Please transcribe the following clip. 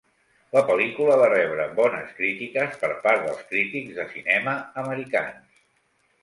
La pel·lícula va rebre bones crítiques per part dels crítics de cinema americans.